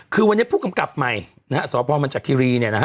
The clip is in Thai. คือวันนี้ผู้กำกับใหม่นะฮะสพมันจักรีเนี่ยนะฮะ